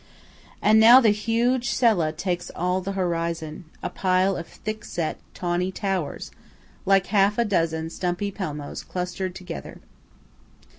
And now the huge Sella takes all the horizon–a pile of thickset, tawny towers, like half a dozen stumpy Pelmos clustered together.